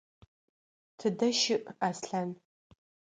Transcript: Тыдэ щыӏ Аслъан?